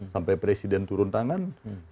sampai presiden turun tangan